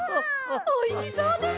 おいしそうです！